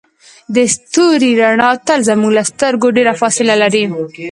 د ستوري رڼا تل زموږ له سترګو ډیره فاصله لري.